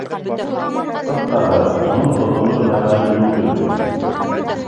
Ҡыҫҡаһы, уның тотонор нәмәһе юҡ ине.